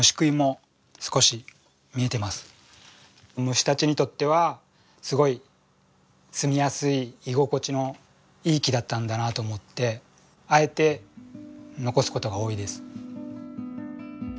虫たちにとってはすごいすみやすい居心地のいい木だったんだなと思ってあえて残すことが多いです。